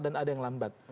dan ada yang lambat